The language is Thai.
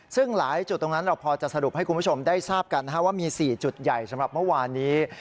ซึ่งหลายจุดตรงนั้นเราพอจะสรุปให้คุณผู้ชมได้ทราบกัน